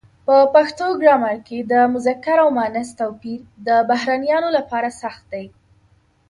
په پښتو ګرامر کې د مذکر او مونث توپیر د بهرنیانو لپاره سخت دی.